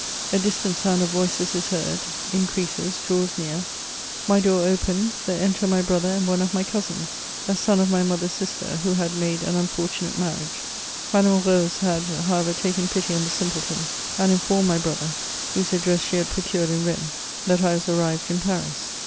A. distant sound of voices is heard, increases, draws near ; my door opens ; there enter my brother and one of my cousinsi, a son of my mother's sister, who had nuide an unfortimate marriage. Madame Rose had, however, taken pity on the simpleton, and informed my brother, whose address she had procured in Bennes, that I was arrived in Paris.